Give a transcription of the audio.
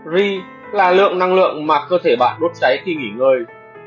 ri là lượng năng lượng mà cơ thể bạn đốt cháy khi nghỉ ngơi